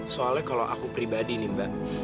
soalnya kalau aku pribadi nih mbak